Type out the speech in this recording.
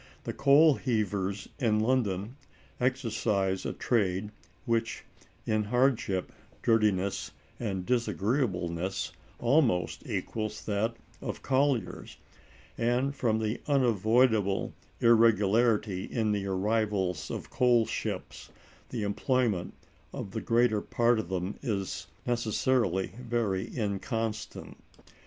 The coal heavers in London exercise a trade which in hardship, dirtiness, and disagreeableness almost equals that of colliers; and from the unavoidable irregularity in the arrivals of coal ships, the employment of the greater part of them is necessarily very inconstant.